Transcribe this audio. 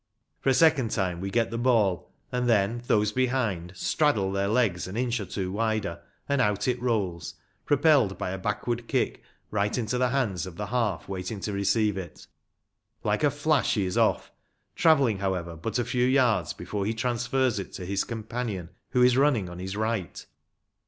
For a second time we get the ball, and then those behind straddle their legs an inch or two wider and out it rolls, propelled by a back ward kick, right into the hands of the half waiting to receive it. Like a flash he is off, travelling, however, but a few yards before he transfers it to his companion, who is running on his right.